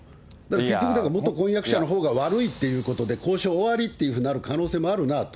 結局、元婚約者のほうが悪いっていうことで、交渉終わりっていうふうになる可能性もあるなと。